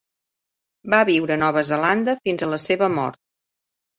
Va viure a Nova Zelanda fins a la seva mort.